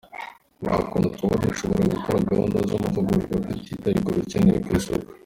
Nta kuntu twaba dushobora gukora gahunda z’amahugurwa tutitaye ku bikenewe ku isoko.